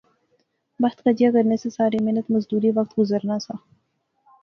بخت کجیا کرنے سے سارے، محنت مزدوری، وقت گزرنا سا